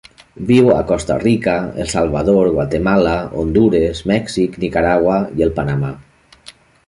Viu a Costa Rica, El Salvador, Guatemala, Hondures, Mèxic, Nicaragua i el Panamà.